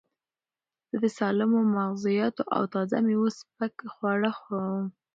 زه د سالمو مغزیاتو او تازه مېوو سپک خواړه خوښوم.